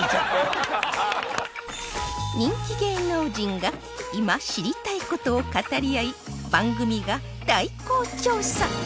人気芸能人が今知りたい事を語り合い番組が代行調査